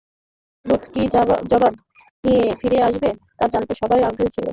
দুত কি জবাব নিয়ে ফিরে আসে তা জানতে সবাই আগ্রহী ছিল।